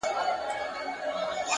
هر منزل د بل منزل لار هواروي